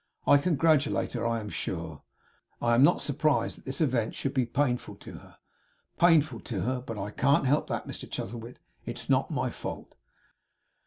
'I congratulate her, I am sure. I am not surprised that this event should be painful to her painful to her but I can't help that, Mr Chuzzlewit. It's not my fault.